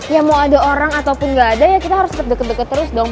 ya mau ada orang ataupun nggak ada ya kita harus deket deket terus dong